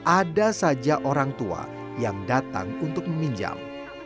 ada saja orang tua yang datang untuk meminjam